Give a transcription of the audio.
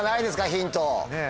ヒント。